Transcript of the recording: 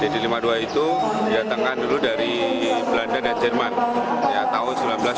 dd lima puluh dua itu diatakan dulu dari belanda dan jerman tahun seribu sembilan ratus dua puluh empat seribu sembilan ratus dua puluh lima